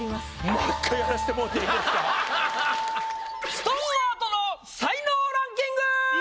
ストーンアートの才能ランキング！